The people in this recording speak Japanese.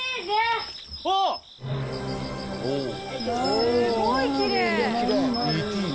すごいきれい！